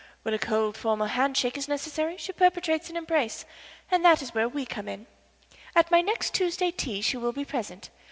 When a cold, formal handshake is necessary she perpetrates an embrace, and that is where we come in. At my next Tuesday tea she will be present.